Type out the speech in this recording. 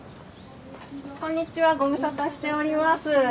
こんにちはご無沙汰しております。